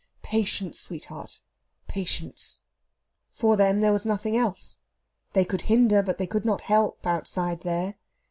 Patience, sweetheart, patience!" For them there was nothing else. They could hinder, but they could not help, outside there.